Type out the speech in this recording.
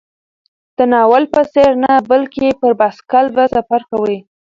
د ناول په څېر نه، بلکې پر بایسکل به سفر کوي.